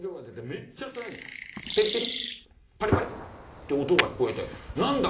ペリペリパリパリって音が聞こえて何だ？